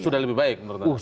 sudah lebih baik menurut anda